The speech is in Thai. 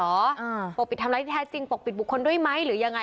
ปกปิดทำร้ายที่แท้จริงปกปิดบุคคลด้วยไหมหรือยังไง